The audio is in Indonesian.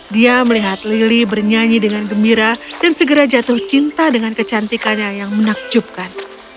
dia melihat lili bernyanyi dengan gembira dan segera jatuh cinta dengan kecantikannya yang menakjubkan